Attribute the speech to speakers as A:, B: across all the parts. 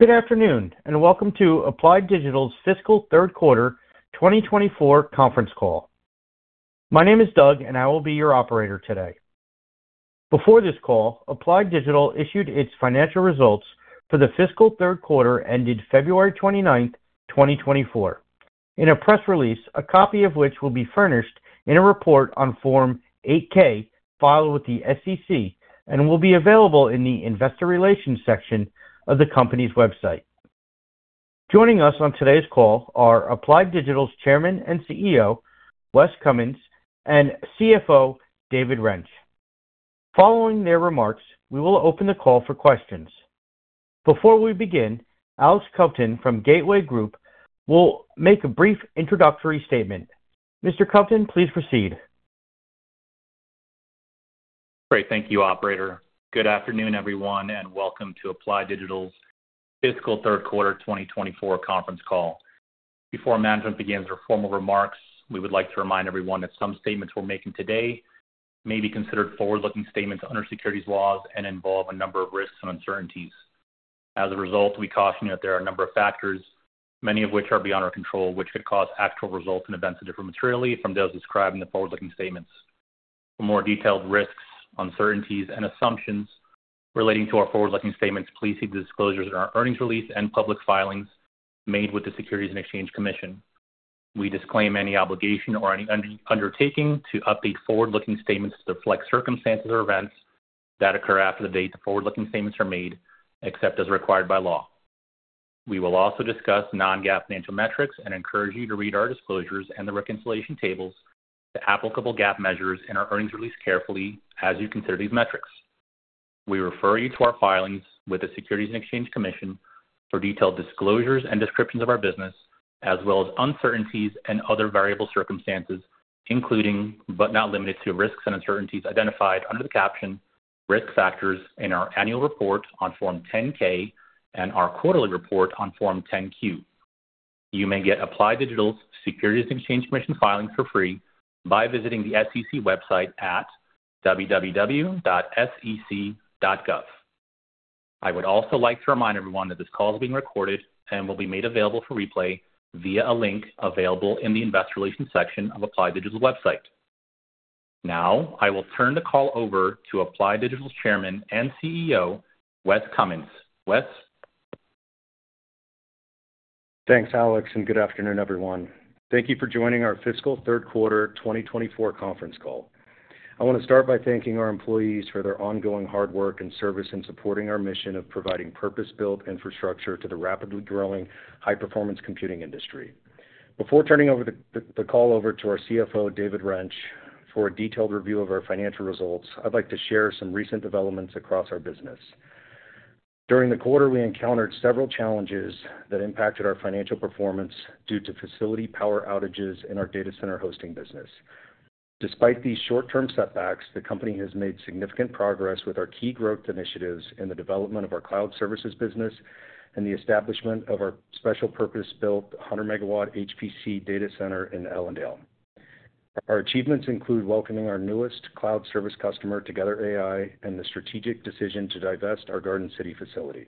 A: Good afternoon, and welcome to Applied Digital's Fiscal Third Quarter 2024 conference call. My name is Doug, and I will be your operator today. Before this call, Applied Digital issued its financial results for the fiscal year third quarter, ended February 29, 2024. In a press release, a copy of which will be furnished in a report on Form 8-K, filed with the SEC, and will be available in the Investor Relations section of the company's website. Joining us on today's call are Applied Digital's Chairman and CEO, Wes Cummins, and CFO, David Rench. Following their remarks, we will open the call for questions. Before we begin, Alex Kovtun from Gateway Group will make a brief introductory statement. Mr. Kovtun, please proceed.
B: Great. Thank you, operator. Good afternoon, everyone, and welcome to Applied Digital's Fiscal Third Quarter 2024 conference call. Before management begins their formal remarks, we would like to remind everyone that some statements we're making today may be considered forward-looking statements under securities laws and involve a number of risks and uncertainties. As a result, we caution you that there are a number of factors, many of which are beyond our control, which could cause actual results and events to differ materially from those described in the forward-looking statements. For more detailed risks, uncertainties, and assumptions relating to our forward-looking statements, please see the disclosures in our earnings release and public filings made with the Securities and Exchange Commission. We disclaim any obligation or any undertaking to update forward-looking statements to reflect circumstances or events that occur after the date the forward-looking statements are made, except as required by law. We will also discuss non-GAAP financial metrics and encourage you to read our disclosures and the reconciliation tables to applicable GAAP measures in our earnings release carefully as you consider these metrics. We refer you to our filings with the Securities and Exchange Commission for detailed disclosures and descriptions of our business, as well as uncertainties and other variable circumstances, including, but not limited to, risks and uncertainties identified under the caption Risk Factors in our annual report on Form 10-K and our quarterly report on Form 10-Q. You may get Applied Digital's Securities and Exchange Commission filings for free by visiting the SEC website at www.sec.gov. I would also like to remind everyone that this call is being recorded and will be made available for replay via a link available in the Investor Relations section of Applied Digital's website. Now, I will turn the call over to Applied Digital's Chairman and CEO, Wes Cummins. Wes?
C: Thanks, Alex, and good afternoon, everyone. Thank you for joining our fiscal third quarter 2024 conference call. I want to start by thanking our employees for their ongoing hard work and service in supporting our mission of providing purpose-built infrastructure to the rapidly growing high-performance computing industry. Before turning over the call to our CFO, David Rench, for a detailed review of our financial results, I'd like to share some recent developments across our business. During the quarter, we encountered several challenges that impacted our financial performance due to facility power outages in our data center hosting business. Despite these short-term setbacks, the company has made significant progress with our key growth initiatives in the development of our cloud services business and the establishment of our special purpose-built 100-MW HPC data center in Ellendale. Our achievements include welcoming our newest cloud service customer, Together AI, and the strategic decision to divest our Garden City facility.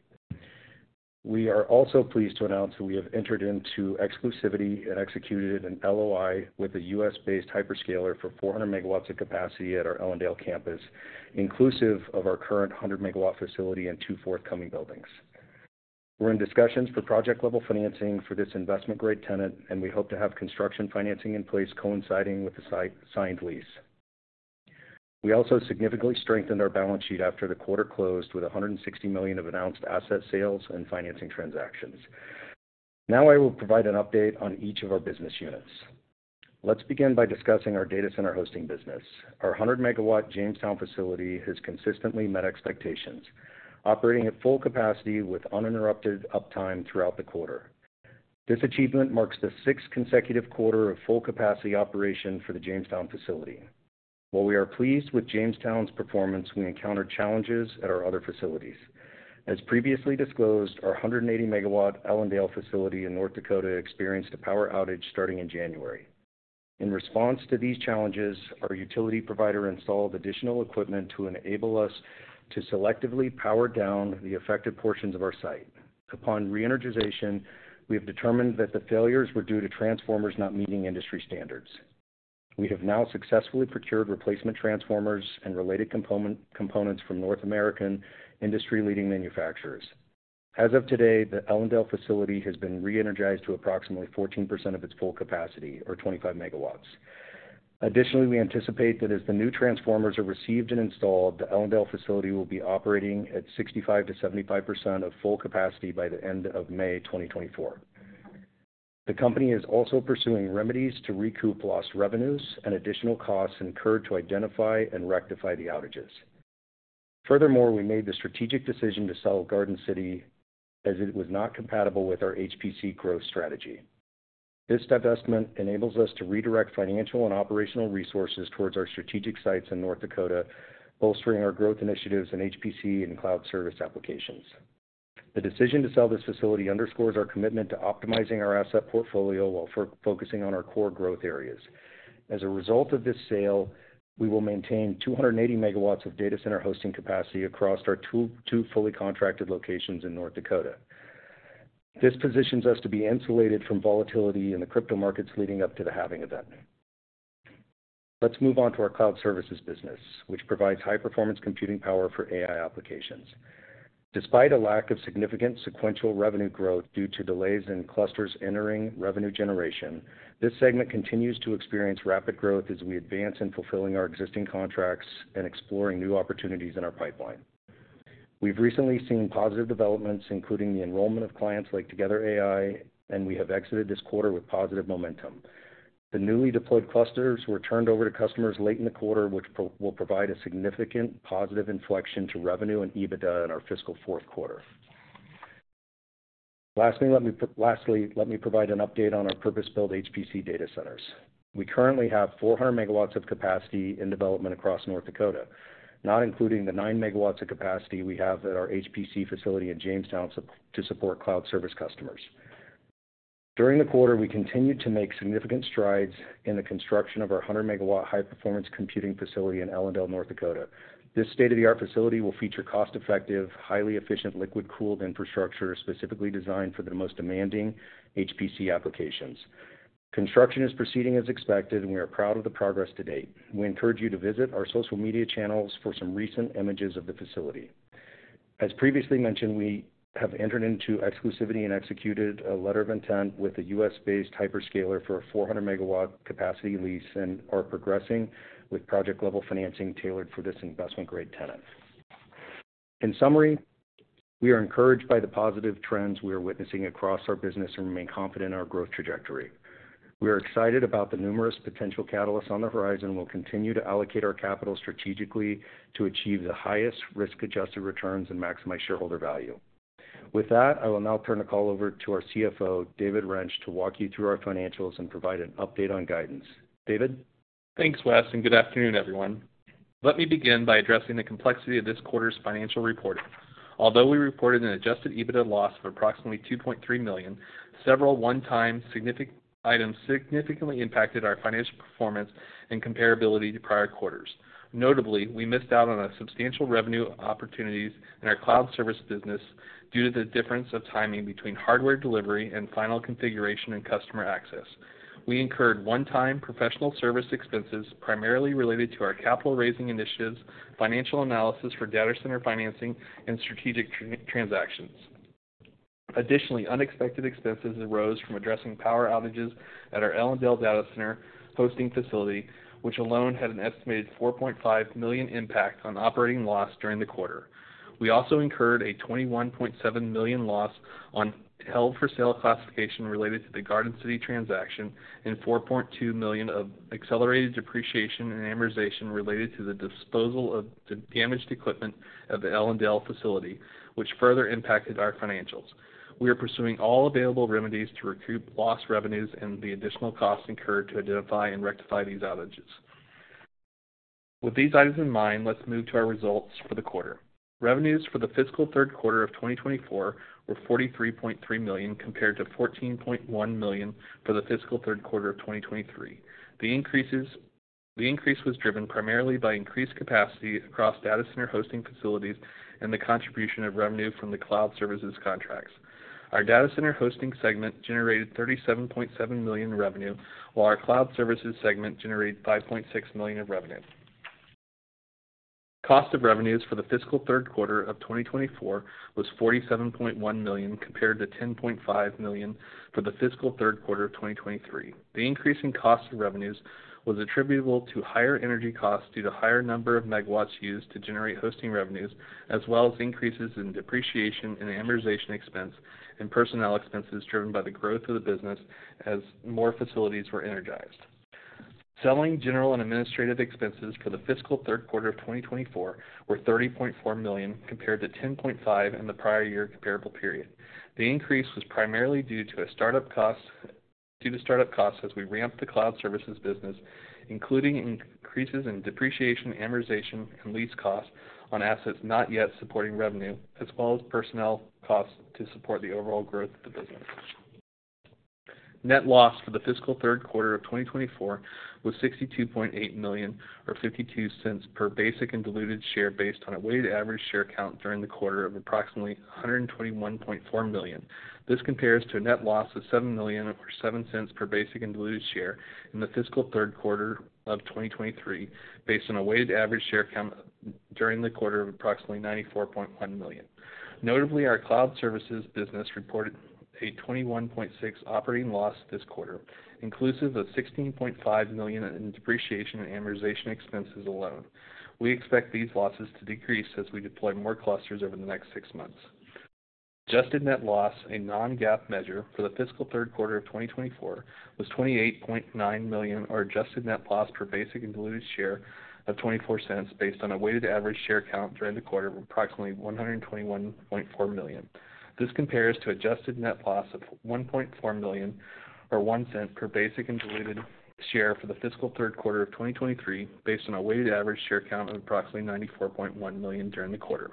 C: We are also pleased to announce that we have entered into exclusivity and executed an LOI with a U.S.-based hyperscaler for 400 MW of capacity at our Ellendale campus, inclusive of our current 100-MW facility and two forthcoming buildings. We're in discussions for project-level financing for this investment-grade tenant, and we hope to have construction financing in place coinciding with the site signed lease. We also significantly strengthened our balance sheet after the quarter closed with $160 million of announced asset sales and financing transactions. Now, I will provide an update on each of our business units. Let's begin by discussing our data center hosting business. Our 100-MW Jamestown facility has consistently met expectations, operating at full capacity with uninterrupted uptime throughout the quarter. This achievement marks the sixth consecutive quarter of full capacity operation for the Jamestown facility. While we are pleased with Jamestown's performance, we encountered challenges at our other facilities. As previously disclosed, our 180-MW Ellendale facility in North Dakota experienced a power outage starting in January. In response to these challenges, our utility provider installed additional equipment to enable us to selectively power down the affected portions of our site. Upon re-energization, we have determined that the failures were due to transformers not meeting industry standards. We have now successfully procured replacement transformers and related components from North American industry-leading manufacturers. As of today, the Ellendale facility has been re-energized to approximately 14% of its full capacity or 25 MW. Additionally, we anticipate that as the new transformers are received and installed, the Ellendale facility will be operating at 65%-75% of full capacity by the end of May 2024. The company is also pursuing remedies to recoup lost revenues and additional costs incurred to identify and rectify the outages. Furthermore, we made the strategic decision to sell Garden City, as it was not compatible with our HPC growth strategy. This divestment enables us to redirect financial and operational resources towards our strategic sites in North Dakota, bolstering our growth initiatives in HPC and cloud service applications. The decision to sell this facility underscores our commitment to optimizing our asset portfolio while focusing on our core growth areas. As a result of this sale, we will maintain 280 MW of data center hosting capacity across our two fully contracted locations in North Dakota.... This positions us to be insulated from volatility in the crypto markets leading up to the halving event. Let's move on to our cloud services business, which provides high-performance computing power for AI applications. Despite a lack of significant sequential revenue growth due to delays in clusters entering revenue generation, this segment continues to experience rapid growth as we advance in fulfilling our existing contracts and exploring new opportunities in our pipeline. We've recently seen positive developments, including the enrollment of clients like Together AI, and we have exited this quarter with positive momentum. The newly deployed clusters were turned over to customers late in the quarter, which will provide a significant positive inflection to revenue and EBITDA in our fiscal fourth quarter. Lastly, let me provide an update on our purpose-built HPC data centers. We currently have 400 MW of capacity in development across North Dakota, not including the 9 MW of capacity we have at our HPC facility in Jamestown, to support cloud service customers. During the quarter, we continued to make significant strides in the construction of our 100-MW high-performance computing facility in Ellendale, North Dakota. This state-of-the-art facility will feature cost-effective, highly efficient, liquid-cooled infrastructure, specifically designed for the most demanding HPC applications. Construction is proceeding as expected, and we are proud of the progress to date. We encourage you to visit our social media channels for some recent images of the facility. As previously mentioned, we have entered into exclusivity and executed a letter of intent with a U.S.-based hyperscaler for a 400-MW capacity lease and are progressing with project-level financing tailored for this investment-grade tenant. In summary, we are encouraged by the positive trends we are witnessing across our business and remain confident in our growth trajectory. We are excited about the numerous potential catalysts on the horizon and will continue to allocate our capital strategically to achieve the highest risk-adjusted returns and maximize shareholder value. With that, I will now turn the call over to our CFO, David Rench, to walk you through our financials and provide an update on guidance. David?
D: Thanks, Wes, and good afternoon, everyone. Let me begin by addressing the complexity of this quarter's financial reporting. Although we reported an adjusted EBITDA loss of approximately $2.3 million, several one-time significant items significantly impacted our financial performance and comparability to prior quarters. Notably, we missed out on a substantial revenue opportunities in our cloud service business due to the difference of timing between hardware delivery and final configuration and customer access. We incurred one-time professional service expenses, primarily related to our capital raising initiatives, financial analysis for data center financing, and strategic transactions. Additionally, unexpected expenses arose from addressing power outages at our Ellendale data center hosting facility, which alone had an estimated $4.5 million impact on operating loss during the quarter. We also incurred a $21.7 million loss on held-for-sale classification related to the Garden City transaction and $4.2 million of accelerated depreciation and amortization related to the disposal of the damaged equipment of the Ellendale facility, which further impacted our financials. We are pursuing all available remedies to recoup lost revenues and the additional costs incurred to identify and rectify these outages. With these items in mind, let's move to our results for the quarter. Revenues for the fiscal third quarter of 2024 were $43.3 million, compared to $14.1 million for the fiscal third quarter of 2023. The increases-- the increase was driven primarily by increased capacity across data center hosting facilities and the contribution of revenue from the cloud services contracts. Our data center hosting segment generated $37.7 million in revenue, while our cloud services segment generated $5.6 million in revenue. Cost of revenues for the fiscal third quarter of 2024 was $47.1 million, compared to $10.5 million for the fiscal third quarter of 2023. The increase in cost of revenues was attributable to higher energy costs due to higher number of megawatts used to generate hosting revenues, as well as increases in depreciation and amortization expense and personnel expenses driven by the growth of the business as more facilities were energized. Selling, general, and administrative expenses for the fiscal third quarter of 2024 were $30.4 million, compared to $10.5 million in the prior year comparable period. The increase was primarily due to startup costs as we ramped the cloud services business, including increases in depreciation, amortization, and lease costs on assets not yet supporting revenue, as well as personnel costs to support the overall growth of the business. Net loss for the fiscal third quarter of 2024 was $62.8 million, or $0.52 per basic and diluted share, based on a weighted average share count during the quarter of approximately 121.4 million. This compares to a net loss of $7 million, or $0.07 per basic and diluted share in the fiscal third quarter of 2023, based on a weighted average share count during the quarter of approximately 94.1 million. Notably, our cloud services business reported a 21.6% operating loss this quarter, inclusive of $16.5 million in depreciation and amortization expenses alone. We expect these losses to decrease as we deploy more clusters over the next six months. Adjusted net loss, a non-GAAP measure for the fiscal third quarter of 2024, was $28.9 million, or adjusted net loss per basic and diluted share of $0.24, based on a weighted average share count during the quarter of approximately 121.4 million. This compares to adjusted net loss of $1.4 million, or $0.01 per basic and diluted share for the fiscal third quarter of 2023, based on a weighted average share count of approximately 94.1 million during the quarter.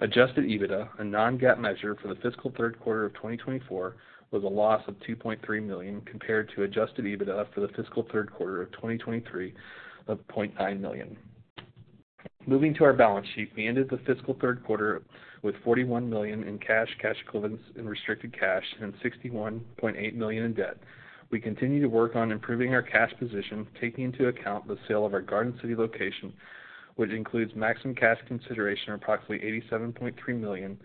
D: Adjusted EBITDA, a non-GAAP measure for the fiscal third quarter of 2024, was a loss of $2.3 million, compared to adjusted EBITDA for the fiscal third quarter of 2023 of $0.9 million. Moving to our balance sheet, we ended the fiscal third quarter with $41 million in cash, cash equivalents, and restricted cash, and $61.8 million in debt. We continue to work on improving our cash position, taking into account the sale of our Garden City location, which includes maximum cash consideration, approximately $87.3 million.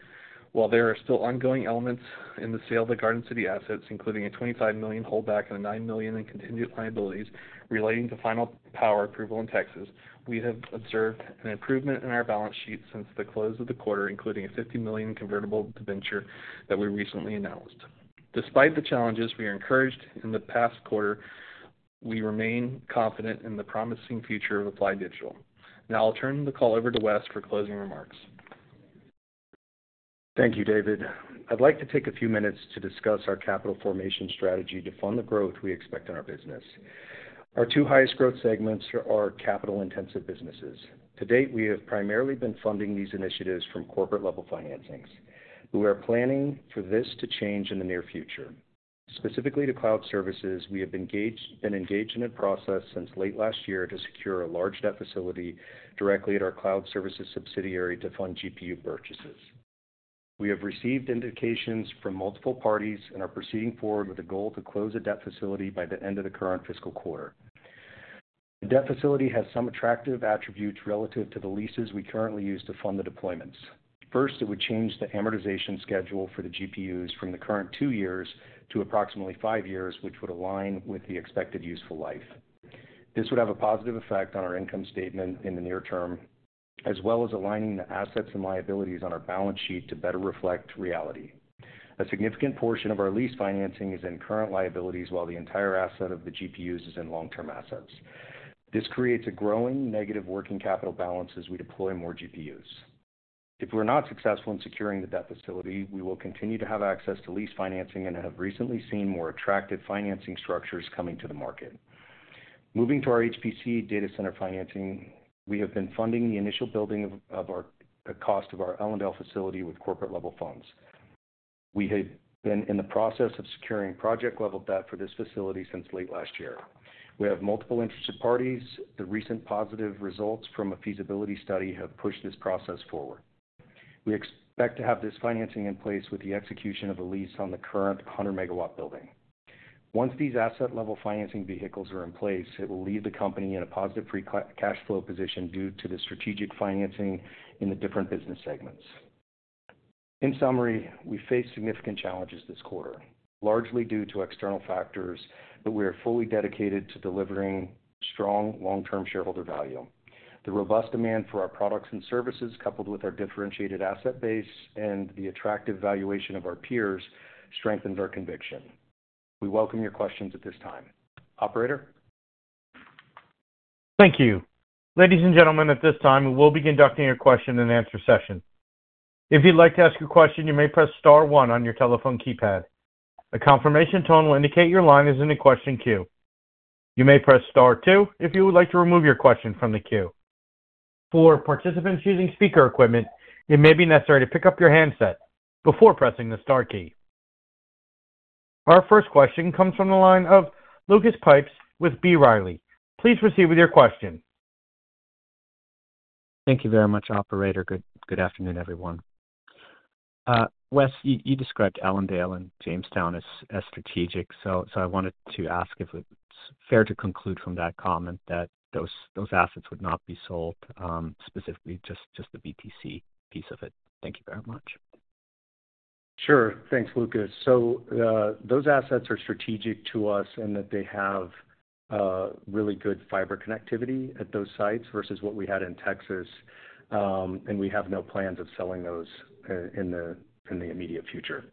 D: While there are still ongoing elements in the sale of the Garden City assets, including a $25 million holdback and a $9 million in contingent liabilities relating to final power approval in Texas, we have observed an improvement in our balance sheet since the close of the quarter, including a $50 million convertible debenture that we recently announced. Despite the challenges, we are encouraged. In the past quarter, we remain confident in the promising future of Applied Digital. Now I'll turn the call over to Wes for closing remarks.
C: Thank you, David. I'd like to take a few minutes to discuss our capital formation strategy to fund the growth we expect in our business. Our two highest growth segments are our capital-intensive businesses. To date, we have primarily been funding these initiatives from corporate-level financings. We are planning for this to change in the near future. Specifically, to cloud services, we have been engaged in a process since late last year to secure a large debt facility directly at our cloud services subsidiary to fund GPU purchases. We have received indications from multiple parties and are proceeding forward with a goal to close the debt facility by the end of the current fiscal quarter. The debt facility has some attractive attributes relative to the leases we currently use to fund the deployments. First, it would change the amortization schedule for the GPUs from the current two years to approximately five years, which would align with the expected useful life. This would have a positive effect on our income statement in the near term, as well as aligning the assets and liabilities on our balance sheet to better reflect reality. A significant portion of our lease financing is in current liabilities, while the entire asset of the GPUs is in long-term assets. This creates a growing negative working capital balance as we deploy more GPUs. If we're not successful in securing the debt facility, we will continue to have access to lease financing and have recently seen more attractive financing structures coming to the market. Moving to our HPC data center financing, we have been funding the initial building of the cost of our Ellendale facility with corporate-level funds. We have been in the process of securing project-level debt for this facility since late last year. We have multiple interested parties. The recent positive results from a feasibility study have pushed this process forward. We expect to have this financing in place with the execution of a lease on the current 100-MW building. Once these asset-level financing vehicles are in place, it will leave the company in a positive free cash flow position due to the strategic financing in the different business segments. In summary, we faced significant challenges this quarter, largely due to external factors, but we are fully dedicated to delivering strong long-term shareholder value. The robust demand for our products and services, coupled with our differentiated asset base and the attractive valuation of our peers, strengthens our conviction. We welcome your questions at this time. Operator?
A: Thank you. Ladies and gentlemen, at this time, we will be conducting a question-and-answer session. If you'd like to ask a question, you may press star one on your telephone keypad. A confirmation tone will indicate your line is in the question queue. You may press star two if you would like to remove your question from the queue. For participants using speaker equipment, it may be necessary to pick up your handset before pressing the star key. Our first question comes from the line of Lucas Pipes with B. Riley. Please proceed with your question.
E: Thank you very much, operator. Good afternoon, everyone. Wes, you, you described Ellendale and Jamestown as, as strategic, so I wanted to ask if it's fair to conclude from that comment that those assets would not be sold, specifically, just the BTC piece of it. Thank you very much.
C: Sure. Thanks, Lucas. So, those assets are strategic to us in that they have really good fiber connectivity at those sites versus what we had in Texas, and we have no plans of selling those in the immediate future.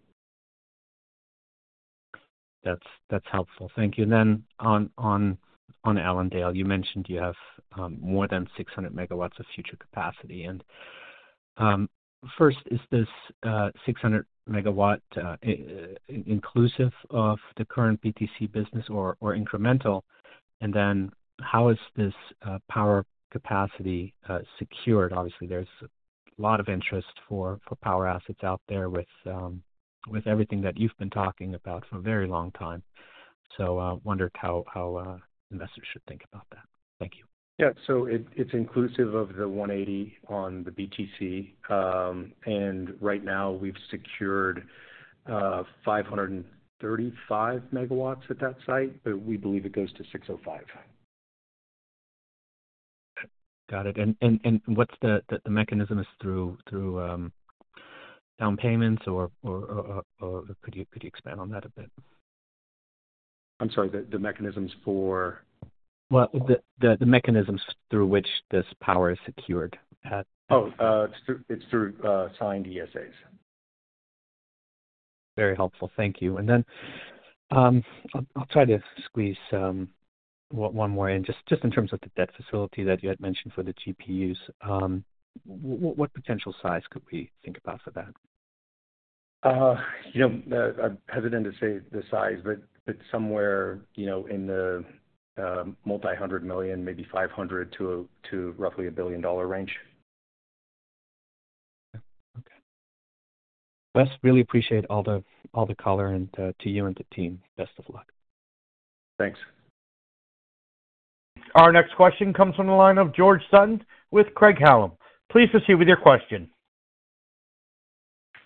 E: That's helpful. Thank you. And then on Ellendale, you mentioned you have more than 600 MW of future capacity. And first, is this 600 MW inclusive of the current BTC business or incremental? And then how is this power capacity secured? Obviously, there's a lot of interest for power assets out there with everything that you've been talking about for a very long time. So, wondered how investors should think about that. Thank you.
C: Yeah. So it's inclusive of the 180 MW on the BTC. And right now, we've secured 535 MW at that site, but we believe it goes to 605 MW.
E: Got it. And what's the mechanism is through down payments or could you expand on that a bit?
C: I'm sorry, the mechanisms for?
E: Well, the mechanisms through which this power is secured at.
C: It's through, it's through, signed ESAs.
E: Very helpful. Thank you. And then, I'll try to squeeze one more in. Just in terms of the debt facility that you had mentioned for the GPUs, what potential size could we think about for that?
C: You know, I'm hesitant to say the size, but somewhere, you know, in the multi-hundred million, maybe $500 million-$1 billion range....
E: Wes, really appreciate all the, all the color, and, to you and the team, best of luck.
C: Thanks.
A: Our next question comes from the line of George Sutton with Craig-Hallum. Please proceed with your question.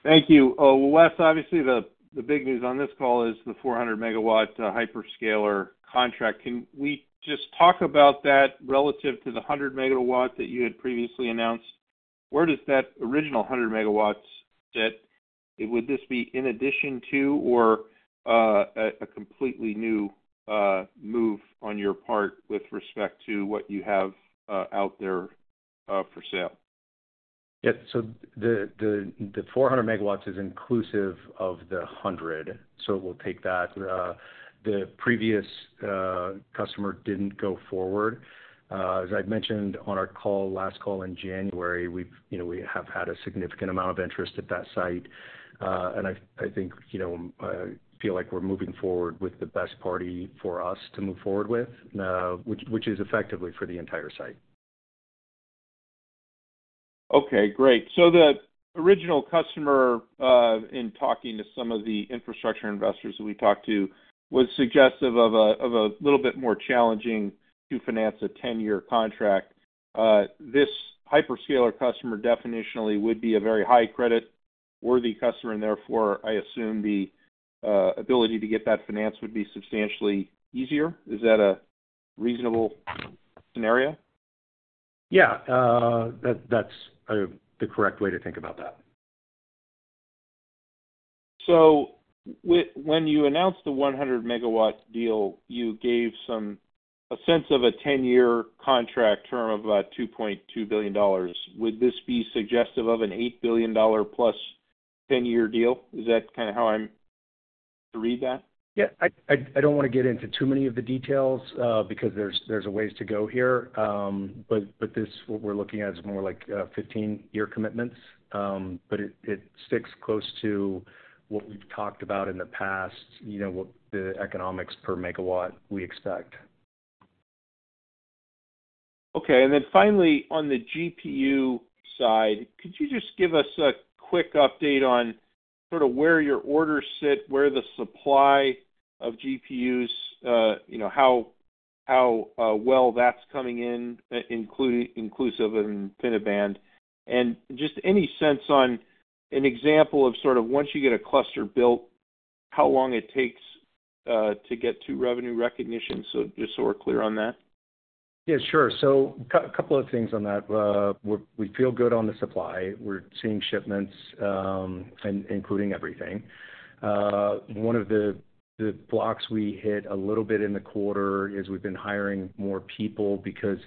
F: Thank you. Well, Wes, obviously, the big news on this call is the 400 MW hyperscaler contract. Can we just talk about that relative to the 100 MW that you had previously announced? Where does that original 100 MW fit? Would this be in addition to or a completely new move on your part with respect to what you have out there for sale?
C: Yeah. So the 400 MW is inclusive of the 100 MW, so we'll take that. The previous customer didn't go forward. As I'd mentioned on our call, last call in January, you know, we have had a significant amount of interest at that site. And I think, you know, feel like we're moving forward with the best party for us to move forward with, which is effectively for the entire site.
F: Okay, great. So the original customer, in talking to some of the infrastructure investors that we talked to, was suggestive of a little bit more challenging to finance a 10-year contract. This hyperscaler customer definitionally would be a very high credit-worthy customer, and therefore, I assume the ability to get that financed would be substantially easier. Is that a reasonable scenario?
C: Yeah, that's the correct way to think about that.
F: So when you announced the 100 MW deal, you gave some a sense of a 10-year contract term of about $2.2 billion. Would this be suggestive of an $8+ billion 10-year deal? Is that kind of how I'm to read that?
C: Yeah. I don't wanna get into too many of the details, because there's a ways to go here. But this, what we're looking at, is more like 15-year commitments. But it sticks close to what we've talked about in the past, you know, what the economics per megawatt we expect.
F: Okay. And then finally, on the GPU side, could you just give us a quick update on sort of where your orders sit, where the supply of GPUs, you know, how well that's coming in, inclusive in InfiniBand? And just any sense on an example of sort of, once you get a cluster built, how long it takes to get to revenue recognition, so just so we're clear on that?
C: Yeah, sure. So couple of things on that. We're we feel good on the supply. We're seeing shipments, and including everything. One of the blocks we hit a little bit in the quarter is, we've been hiring more people because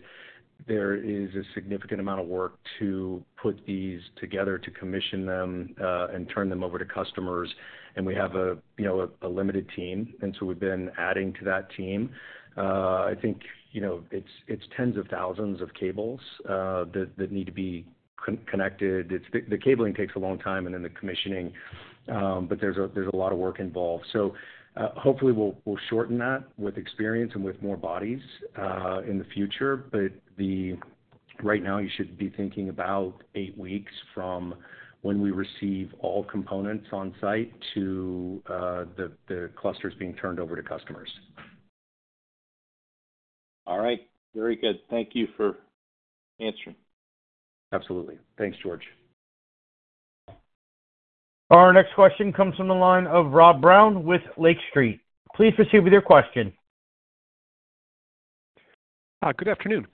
C: there is a significant amount of work to put these together, to commission them, and turn them over to customers, and we have, you know, a limited team, and so we've been adding to that team. I think, you know, it's tens of thousands of cables that need to be connected. It's the cabling takes a long time, and then the commissioning, but there's a lot of work involved. So, hopefully, we'll shorten that with experience and with more bodies in the future. But the... Right now, you should be thinking about eight weeks from when we receive all components on site to the clusters being turned over to customers.
F: All right. Very good. Thank you for answering.
C: Absolutely. Thanks, George.
A: Our next question comes from the line of Rob Brown with Lake Street. Please proceed with your question.
G: Good afternoon.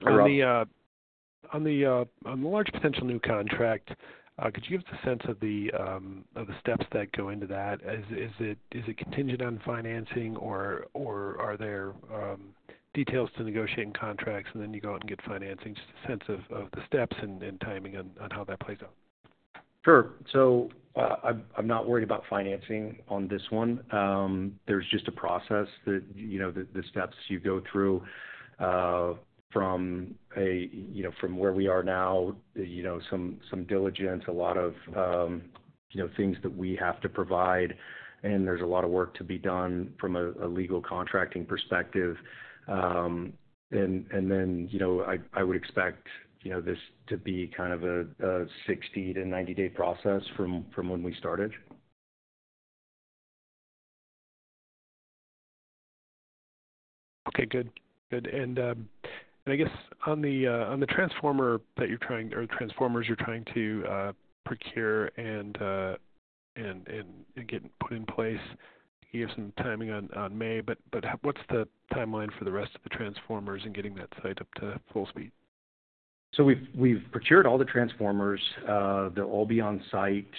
C: Hello.
G: On the large potential new contract, could you give us a sense of the steps that go into that? Is it contingent on financing, or are there details to negotiating contracts, and then you go out and get financing? Just a sense of the steps and timing on how that plays out.
C: Sure. So, I'm not worried about financing on this one. There's just a process that, you know, the steps you go through, from a, you know, from where we are now, you know, some diligence, a lot of, you know, things that we have to provide, and there's a lot of work to be done from a legal contracting perspective. And then, you know, I would expect, you know, this to be kind of a 60- to 90-day process from when we started.
G: Okay, good. Good. And I guess on the transformer that you're trying or the transformers you're trying to procure and get put in place, you gave some timing on May, but what's the timeline for the rest of the transformers and getting that site up to full speed?
C: So we've procured all the transformers. They'll all be on site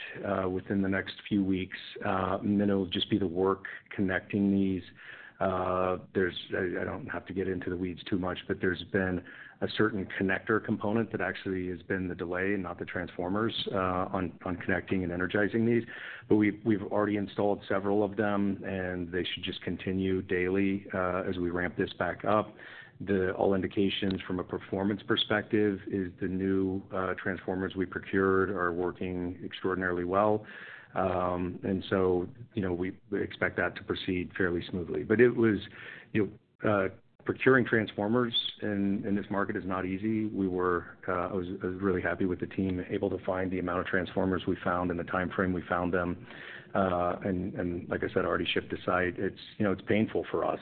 C: within the next few weeks. And then it'll just be the work connecting these. I don't have to get into the weeds too much, but there's been a certain connector component that actually has been the delay and not the transformers on connecting and energizing these. But we've already installed several of them, and they should just continue daily as we ramp this back up. All indications from a performance perspective is the new transformers we procured are working extraordinarily well. And so, you know, we expect that to proceed fairly smoothly. But it was, you know, procuring transformers in this market is not easy. I was really happy with the team, able to find the amount of transformers we found in the timeframe we found them. And like I said, already shipped to site. It's, you know, it's painful for us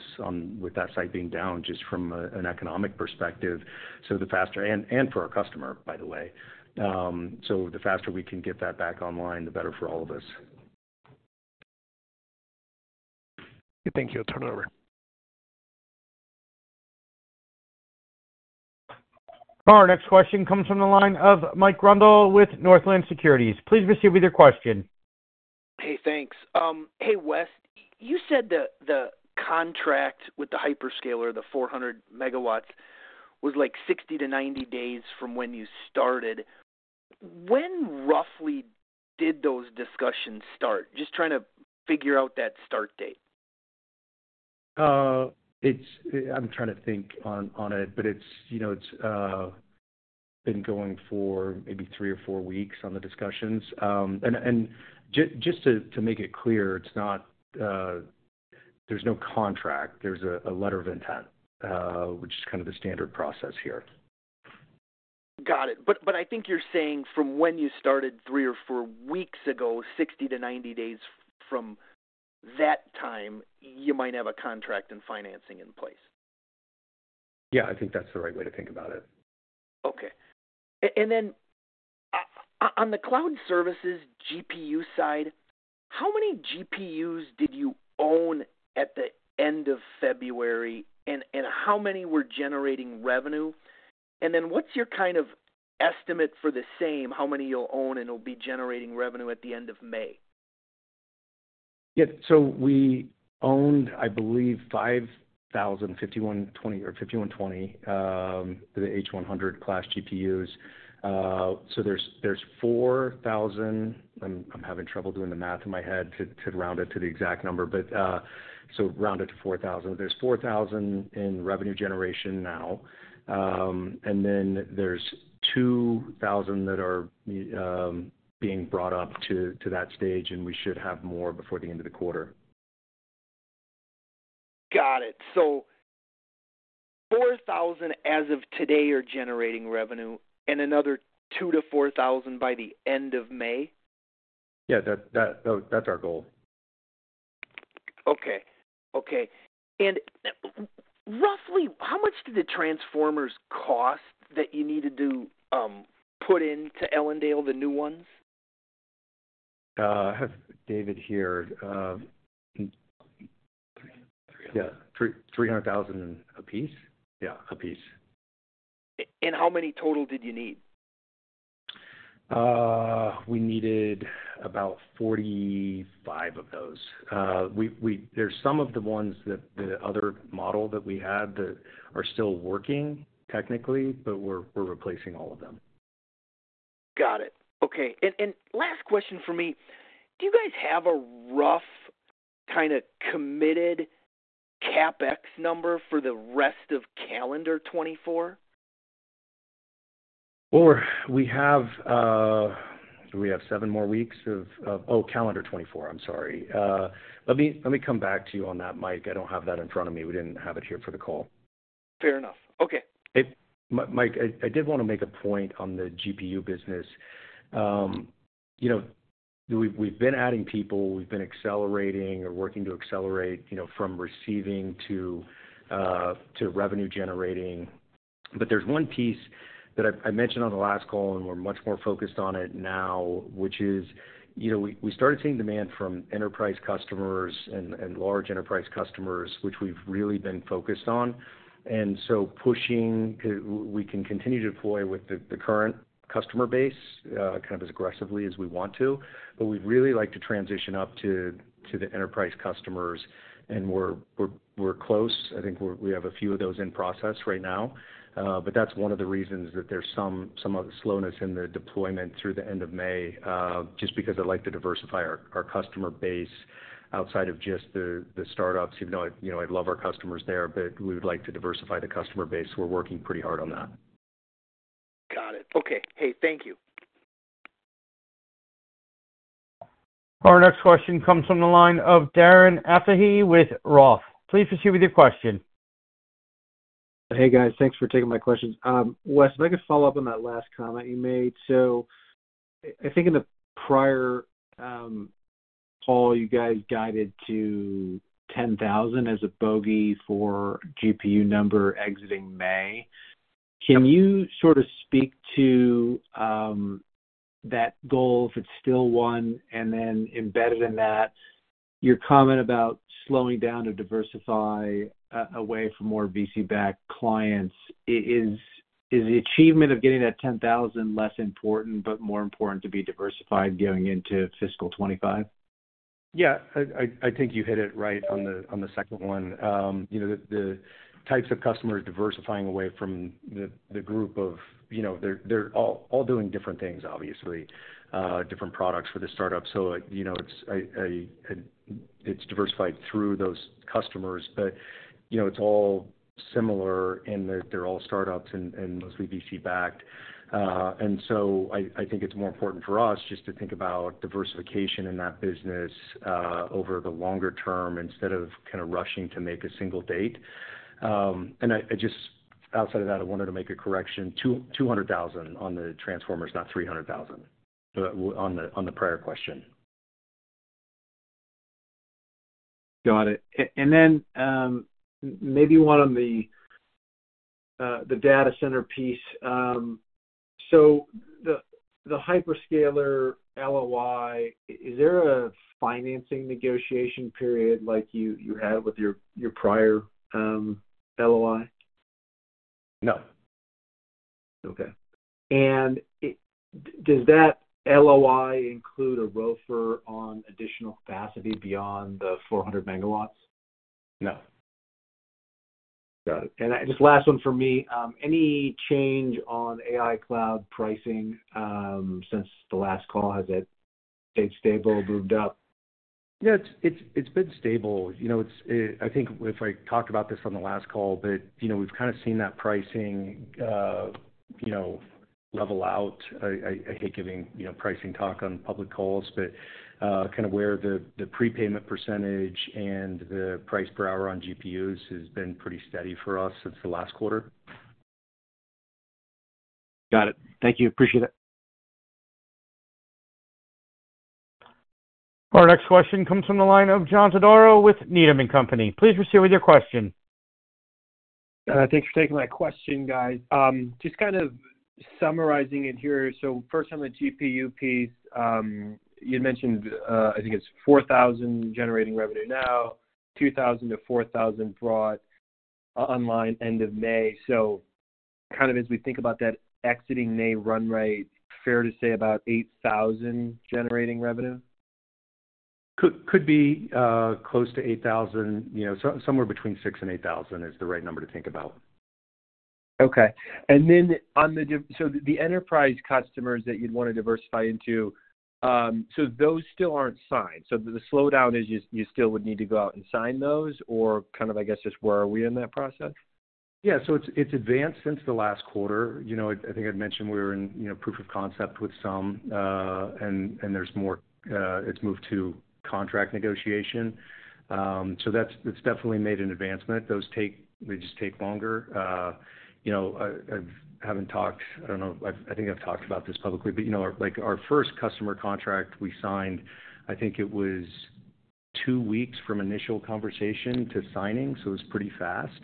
C: with that site being down, just from an economic perspective, so the faster... and for our customer, by the way. So the faster we can get that back online, the better for all of us.
G: Thank you. I'll turn it over....
A: Our next question comes from the line of Mike Grondahl with Northland Capital Markets. Please proceed with your question.
H: Hey, thanks. Hey, Wes. You said the contract with the hyperscaler, the 400 MW, was like 60-90 days from when you started. When roughly did those discussions start? Just trying to figure out that start date.
C: It's. I'm trying to think on it, but it's, you know, it's been going for maybe three or four weeks on the discussions. Just to make it clear, it's not. There's no contract. There's a Letter of Intent, which is kind of the standard process here.
H: Got it. But, but I think you're saying from when you started three or four weeks ago, 60-90 days from that time, you might have a contract and financing in place.
C: Yeah, I think that's the right way to think about it.
H: Okay. And then, on the cloud services GPU side, how many GPUs did you own at the end of February, and how many were generating revenue? And then what's your kind of estimate for the same, how many you'll own and will be generating revenue at the end of May?
C: Yeah. So we owned, I believe, 5,120 or 5120, the H100 class GPUs. So there's, there's 4,000... I'm having trouble doing the math in my head to round it to the exact number, but, so round it to 4,000. There's 4,000 in revenue generation now, and then there's 2,000 that are being brought up to that stage, and we should have more before the end of the quarter.
H: Got it. So 4,000, as of today, are generating revenue and another 2,000-4,000 by the end of May?
C: Yeah, that, that's our goal.
H: Okay. Okay. And roughly, how much do the transformers cost that you needed to put into Ellendale, the new ones?
C: I have David here. Yeah, $300,000 apiece? Yeah, apiece.
H: How many total did you need?
C: We needed about 45 of those. There's some of the ones that the other model that we had that are still working technically, but we're replacing all of them.
H: Got it. Okay. And last question for me: Do you guys have a rough kind of committed CapEx number for the rest of calendar year 2024?
C: Well, we have seven more weeks of... Oh, calendar year 2024. I'm sorry. Let me come back to you on that, Mike. I don't have that in front of me. We didn't have it here for the call.
H: Fair enough. Okay.
C: Hey, Mike, I did want to make a point on the GPU business. You know, we've been adding people, we've been accelerating or working to accelerate, you know, from receiving to revenue generating. But there's one piece that I mentioned on the last call, and we're much more focused on it now, which is, you know, we started seeing demand from enterprise customers and large enterprise customers, which we've really been focused on. And so pushing, we can continue to deploy with the current customer base kind of as aggressively as we want to, but we'd really like to transition up to the enterprise customers, and we're close. I think we have a few of those in process right now, but that's one of the reasons that there's some of the slowness in the deployment through the end of May, just because I'd like to diversify our customer base outside of just the startups, even though, you know, I love our customers there, but we would like to diversify the customer base. We're working pretty hard on that.
H: Got it. Okay. Hey, thank you.
A: Our next question comes from the line of Darren Aftahi with Roth. Please proceed with your question.
I: Hey, guys. Thanks for taking my questions. Wes, if I could follow up on that last comment you made. So I, I think in the prior call, you guys guided to 10,000 as a bogey for GPU number exiting May.
C: Yep.
I: Can you sort of speak to that goal, if it's still one, and then embedded in that, your comment about slowing down to diversify away from more VC-backed clients? Is the achievement of getting that 10,000 less important, but more important to be diversified going into fiscal year 2025?
C: Yeah, I think you hit it right on the second one. You know, the types of customers diversifying away from the group of, you know, they're all doing different things, obviously, different products for the startup. So, you know, it's diversified through those customers, but, you know, it's all similar and they're all startups and mostly VC-backed. And so I think it's more important for us just to think about diversification in that business over the longer term instead of kind of rushing to make a single date. And I just outside of that, I wanted to make a correction, $200,000 on the transformers, not $300,000, so on the prior question.
I: Got it. And then, maybe one on the data center piece. So the hyperscaler LOI, is there a financing negotiation period like you had with your prior LOI?
C: No.
I: Okay. And does that LOI include a ROFR on additional capacity beyond the 400 MW?
C: No.
I: Got it. And just last one for me. Any change on AI cloud pricing, since the last call? Has it stayed stable, moved up?
C: Yeah, it's been stable. You know, I think if I talked about this on the last call, but, you know, we've kind of seen that pricing, you know, level out. I hate giving, you know, pricing talk on public calls, but, kind of where the prepayment percentage and the price per hour on GPUs has been pretty steady for us since the last quarter.
I: Got it. Thank you. Appreciate it.
A: Our next question comes from the line of John Todaro with Needham & Company. Please proceed with your question.
J: Thanks for taking my question, guys. Just kind of summarizing it here. So first on the GPU piece, you'd mentioned, I think it's 4,000 generating revenue now, 2,000 to 4,000 brought online end of May. So kind of as we think about that exiting May run rate, fair to say about 8,000 generating revenue?
C: Could be close to 8,000, you know, so somewhere between 6,000 and 8,000 is the right number to think about.
J: Okay. And then on the, so the enterprise customers that you'd want to diversify into, so those still aren't signed. So the slowdown is you, you still would need to go out and sign those, or kind of, I guess, just where are we in that process?
C: Yeah. So it's advanced since the last quarter. You know, I think I'd mentioned we were in, you know, proof of concept with some, and there's more, it's moved to contract negotiation. So that's. It's definitely made an advancement. Those take... they just take longer. You know, I haven't talked, I don't know, I think I've talked about this publicly, but, you know, like, our first customer contract we signed, I think it was two weeks from initial conversation to signing, so it was pretty fast.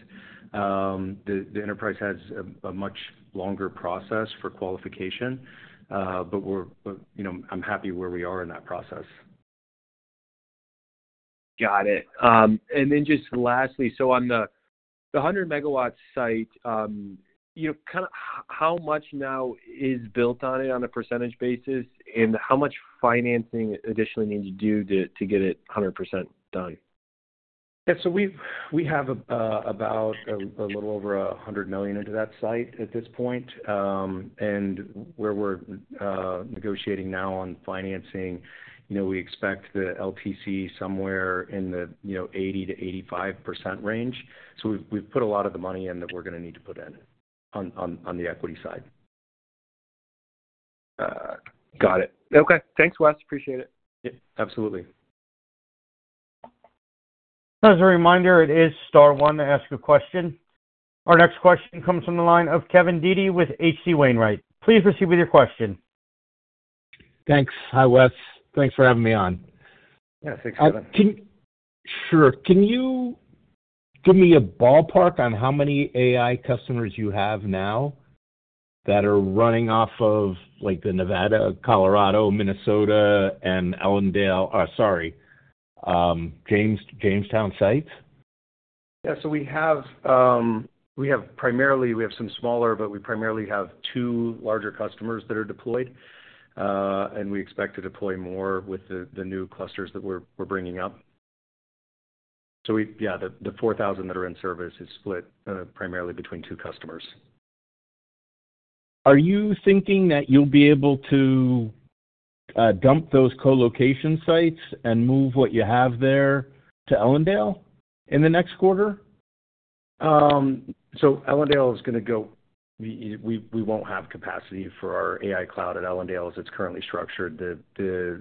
C: The enterprise has a much longer process for qualification, but we're, you know, I'm happy where we are in that process.
J: Got it. And then just lastly, so on the 100 MW site, you know, kind of how much now is built on it on a percentage basis, and how much financing additionally need to do to get it 100% done?
C: Yeah. So we have about a little over $100 million into that site at this point. And where we're negotiating now on financing, you know, we expect the LTC somewhere in the 80%-85% range. So we've put a lot of the money in that we're gonna need to put in on the equity side.
J: Got it. Okay. Thanks, Wes. Appreciate it.
C: Yeah, absolutely.
A: As a reminder, it is star one to ask a question. Our next question comes from the line of Kevin Dede with H.C. Wainwright. Please proceed with your question.
K: Thanks. Hi, Wes. Thanks for having me on.
C: Yeah, thanks, Kevin.
K: Can you give me a ballpark on how many AI customers you have now that are running off of, like, the Nevada, Colorado, Minnesota, and Ellendale, Jamestown sites?
C: Yeah. So we have primarily some smaller, but we primarily have two larger customers that are deployed. And we expect to deploy more with the new clusters that we're bringing up. So yeah, the 4,000 that are in service is split primarily between two customers.
K: Are you thinking that you'll be able to, dump those colocation sites and move what you have there to Ellendale in the next quarter?
C: So Ellendale is gonna go... We won't have capacity for our AI cloud at Ellendale as it's currently structured. The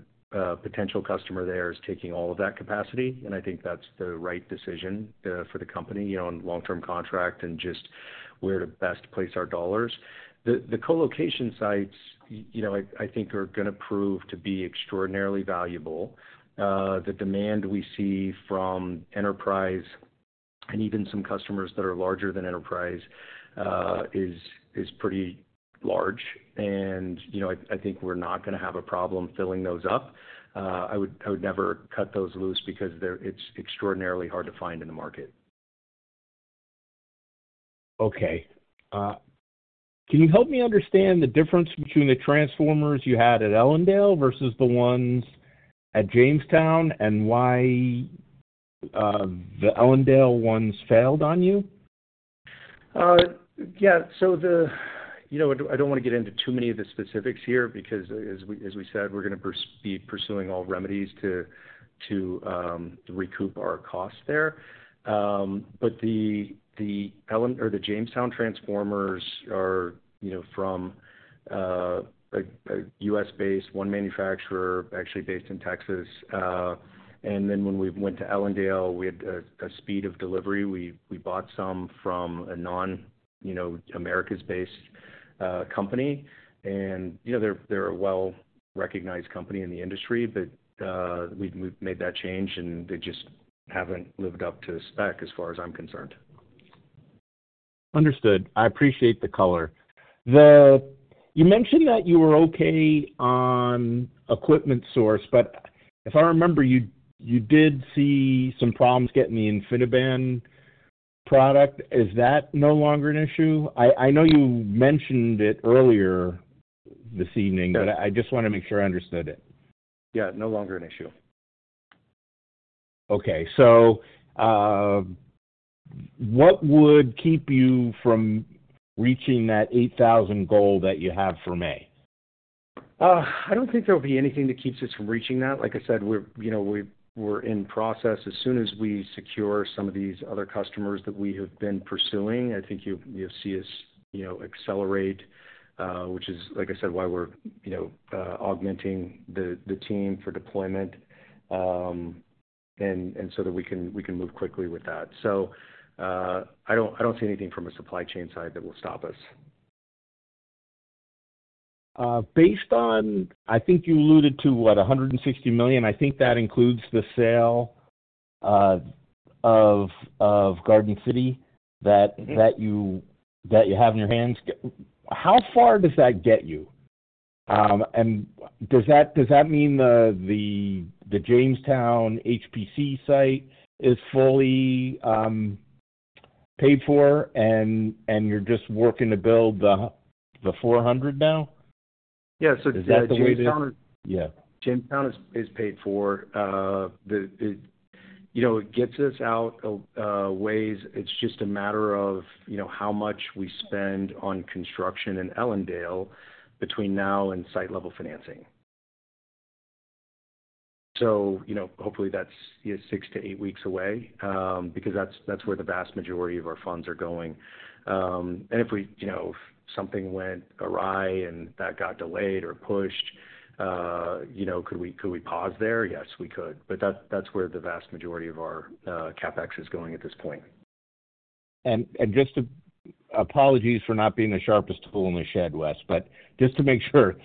C: potential customer there is taking all of that capacity, and I think that's the right decision, for the company, you know, on long-term contract and just where to best place our dollars. The colocation sites, you know, I think are gonna prove to be extraordinarily valuable. The demand we see from enterprise and even some customers that are larger than enterprise is pretty large. And, you know, I think we're not gonna have a problem filling those up. I would never cut those loose because they're—it's extraordinarily hard to find in the market.
K: Okay. Can you help me understand the difference between the transformers you had at Ellendale versus the ones at Jamestown, and why the Ellendale ones failed on you?
C: Yeah, so you know, I don't want to get into too many of the specifics here, because as we said, we're gonna be pursuing all remedies to recoup our costs there. But the Jamestown transformers are, you know, from a U.S.-based manufacturer, actually based in Texas. And then when we went to Ellendale, we had a speed of delivery. We bought some from a non-Americas-based company. And, you know, they're a well-recognized company in the industry, but we've made that change, and they just haven't lived up to spec as far as I'm concerned....
K: Understood. I appreciate the color. The, you mentioned that you were okay on equipment source, but if I remember, you, you did see some problems getting the InfiniBand product. Is that no longer an issue? I, I know you mentioned it earlier this evening, but I just want to make sure I understood it.
C: Yeah, no longer an issue.
K: Okay. So, what would keep you from reaching that 8,000 goal that you have for May?
C: I don't think there'll be anything that keeps us from reaching that. Like I said, we're, you know, we're in process. As soon as we secure some of these other customers that we have been pursuing, I think you, you'll see us, you know, accelerate, which is, like I said, why we're, you know, augmenting the team for deployment, and so that we can move quickly with that. So, I don't see anything from a supply chain side that will stop us.
K: Based on, I think you alluded to, what? $160 million, I think that includes the sale of Garden City that-
C: Mm-hmm.
K: that you have in your hands. How far does that get you? And does that mean the Jamestown HPC site is fully paid for and you're just working to build the 400 MW now?
C: Yeah. So-
K: Is that the way it is? Yeah.
C: Jamestown is paid for. You know, it gets us out ways. It's just a matter of, you know, how much we spend on construction in Ellendale between now and site-level financing. So, you know, hopefully, that's six to eight weeks away, because that's where the vast majority of our funds are going. If we, you know, if something went awry and that got delayed or pushed, you know, could we pause there? Yes, we could, but that's where the vast majority of our CapEx is going at this point.
K: Apologies for not being the sharpest tool in the shed, Wes, but just to make sure,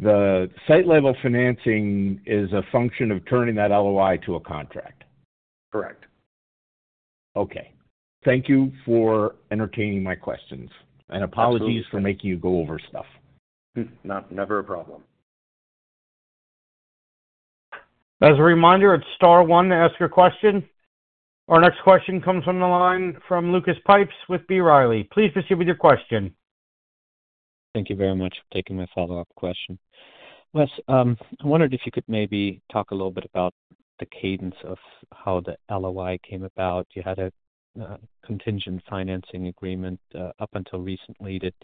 K: the site-level financing is a function of turning that LOI to a contract.
C: Correct.
K: Okay. Thank you for entertaining my questions, and apologies for making you go over stuff.
C: Never a problem.
A: As a reminder, it's star one to ask your question. Our next question comes from the line from Lucas Pipes with B. Riley. Please proceed with your question.
E: Thank you very much for taking my follow-up question. Wes, I wondered if you could maybe talk a little bit about the cadence of how the LOI came about. You had a contingent financing agreement up until recently. Did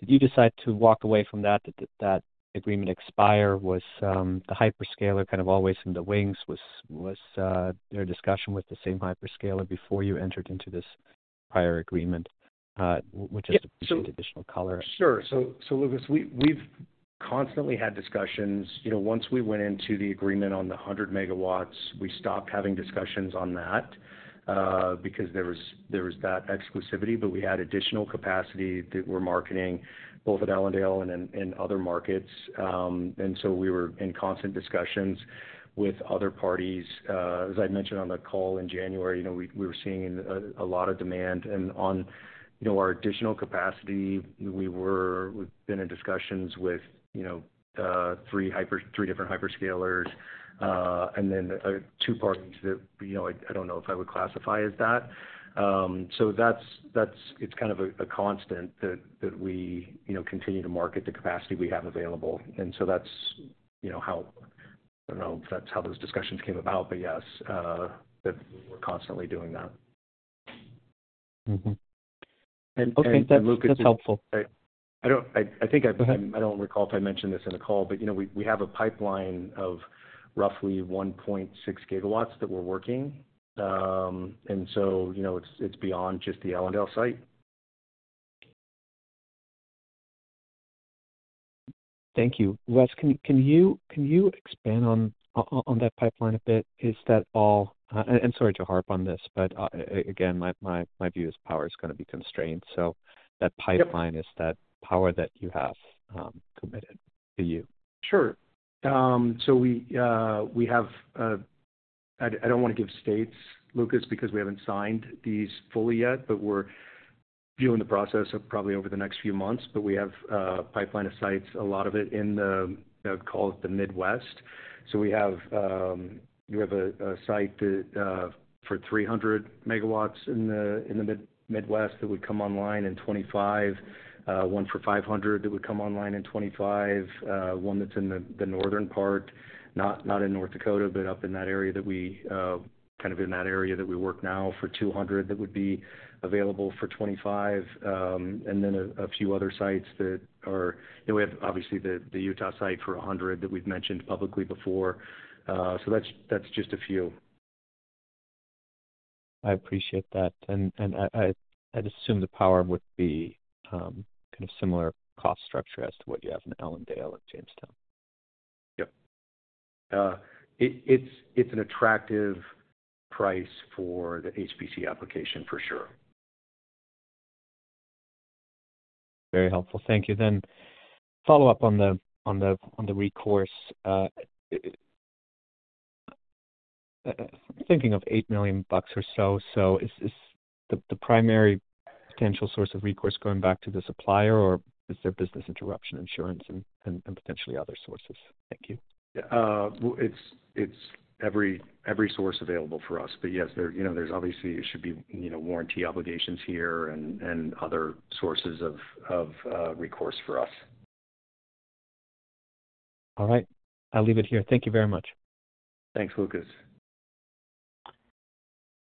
E: you decide to walk away from that, that agreement expire? Was the hyperscaler kind of always in the wings? Was there discussion with the same hyperscaler before you entered into this prior agreement? which is-
C: Yeah, so-
E: Additional color.
C: Sure. So, Lucas, we've constantly had discussions. You know, once we went into the agreement on the 100 MW, we stopped having discussions on that, because there was that exclusivity, but we had additional capacity that we're marketing both at Ellendale and in other markets. And so we were in constant discussions with other parties. As I mentioned on the call in January, you know, we were seeing a lot of demand and on our additional capacity, we've been in discussions with three different hyperscalers, and then two parties that, you know, I don't know if I would classify as that. So that's... It's kind of a constant that we continue to market the capacity we have available. And so that's, you know, how, I don't know if that's how those discussions came about, but yes, that we're constantly doing that.
E: Mm-hmm. Okay, that's, that's helpful.
C: I don't think I-
E: Go ahead.
C: I don't recall if I mentioned this in the call, but, you know, we, we have a pipeline of roughly 1.6 GW that we're working. And so, you know, it's, it's beyond just the Ellendale site.
E: Thank you. Wes, can you expand on that pipeline a bit? Is that all... And sorry to harp on this, but again, my view is power is gonna be constrained. So that pipeline-
C: Yep.
E: -is that power that you have, committed to you.
C: Sure. So we have... I don't want to give states, Lucas, because we haven't signed these fully yet, but we're viewing the process of probably over the next few months, but we have a pipeline of sites, a lot of it in the, call it the Midwest. So we have, we have a site that, for 300 MW in the, in the mid-Midwest that would come online in 2025, one for 500 MW that would come online in 2025, one that's in the, the northern part, not, not in North Dakota, but up in that area that we, kind of in that area that we work now, for 200 MW, that would be available for 2025. And then a few other sites that are... We have, obviously, the Utah site for 100 MW, that we've mentioned publicly before. So that's just a few.
E: I appreciate that. And, I, I'd assume the power would be kind of similar cost structure as to what you have in Ellendale and Jamestown.
C: Yep. It's an attractive price for the HPC application, for sure.
E: Very helpful. Thank you. Then follow up on the recourse, thinking of $8 million or so, so is the primary potential source of recourse going back to the supplier, or is there business interruption insurance and potentially other sources? Thank you.
C: Well, it's every source available for us. But yes, there, you know, there's obviously it should be, you know, warranty obligations here and other sources of recourse for us.
E: All right. I'll leave it here. Thank you very much.
C: Thanks, Lucas.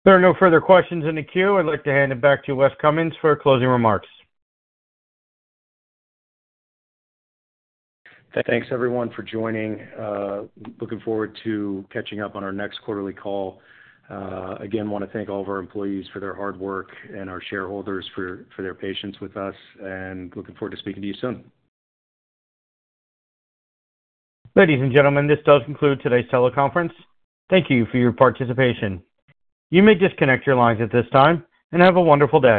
A: There are no further questions in the queue. I'd like to hand it back to Wes Cummins for closing remarks.
C: Thanks, everyone, for joining. Looking forward to catching up on our next quarterly call. Again, want to thank all of our employees for their hard work and our shareholders for their patience with us, and looking forward to speaking to you soon.
A: Ladies and gentlemen, this does conclude today's teleconference. Thank you for your participation. You may disconnect your lines at this time, and have a wonderful day.